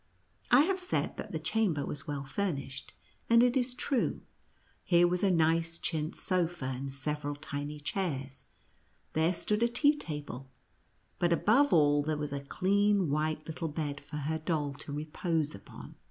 I have said that the chamber was well furnished, and it is true ; here was a nice chintz sofa and several tiny chairs, there stood a tea table, but above all, there was a clean, white little bed for her doll to repose upon.